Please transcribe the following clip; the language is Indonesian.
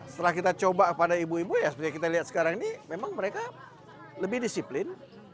setelah kita coba pada ibu ibu ya seperti yang kita lihat sekarang ini memang mereka lebih disiplin